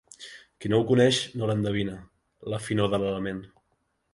Qui no ho coneix no l'endevina, la finor de l'element.